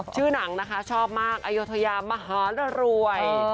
ชื่อหนังนะคะชอบมากอายุทยามหารรวย